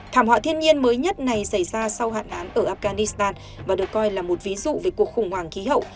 thảm họa thiên nhiên mới nhất này xảy ra sau hạn hán ở afghanistan và được coi là một ví dụ về cuộc khủng hoảng khí hậu